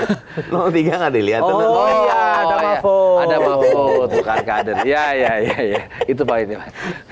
tiga gak dilihat oh iya ada mafo ada mafo itu kan kader ya ya ya itu pak ini pak